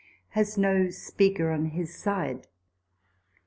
Has no speaker on his side.